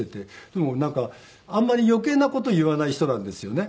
でもなんかあんまり余計な事言わない人なんですよね。